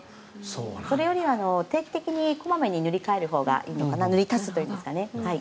それより定期的に小まめに塗り替えるほうがいいかなと。